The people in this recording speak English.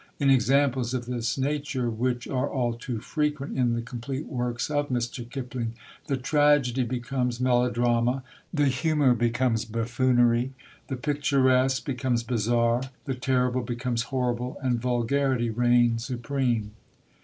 In examples of this nature, which are all too frequent in the "Complete Works" of Mr. Kipling, the tragedy becomes melodrama; the humour becomes buffoonery; the picturesque becomes bizarre; the terrible becomes horrible; and vulgarity reigns supreme.